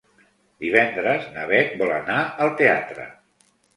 Divendres na Bet vol anar al teatre.